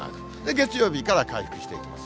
月曜日から回復していきます。